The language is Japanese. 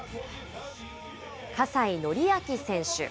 葛西紀明選手。